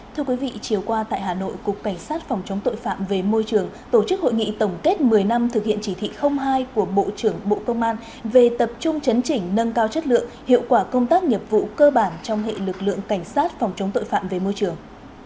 thưa quý vị chiều qua tại hà nội cục cảnh sát phòng chống tội phạm về môi trường tổ chức hội nghị tổng kết một mươi năm thực hiện chỉ thị hai của bộ trưởng bộ công an về tập trung chấn chỉnh nâng cao chất lượng hiệu quả công tác nghiệp vụ cơ bản trong hệ lực lượng cảnh sát phòng chống tội phạm về môi trường